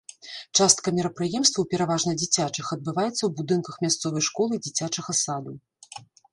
Частка мерапрыемстваў, пераважна дзіцячых, адбываецца ў будынках мясцовай школы і дзіцячага саду.